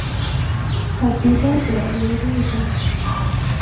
_ هديره ده، وېرېږم.